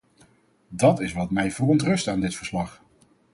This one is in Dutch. Dat is wat mij verontrust aan dit verslag.